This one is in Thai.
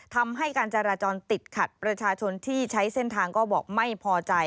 ทำให้การจราจรติดขัดประชาชนที่ใช้เส้นทางก็บอกไม่พอใจ